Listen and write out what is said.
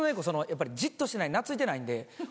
やっぱりじっとしてない懐いてないんで。